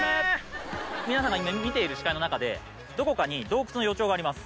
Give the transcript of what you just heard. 皆さんが今見ている視界の中でどこかに洞窟の予兆があります。